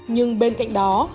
nhưng bên cạnh đó